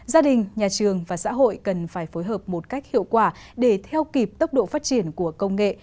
gia đình nhà trường và xã hội cần phải phối hợp một cách hiệu quả để theo kịp tốc độ phát triển của công nghệ